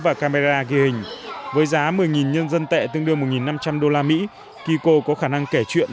và camera ghi hình với giá một mươi nhân dân tệ tương đương một năm trăm linh usd kiko có khả năng kể chuyện